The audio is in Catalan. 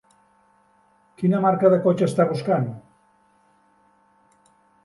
Quina marca de cotxe està buscant?